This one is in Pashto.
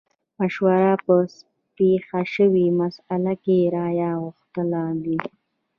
مشوره په پېښه شوې مسئله کې رايه غوښتل دي.